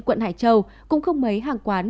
quận hải châu cũng không mấy hàng quán